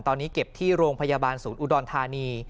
ตอนนี้เก็บที่โรงพยาบาลศูนย์อุดรธานี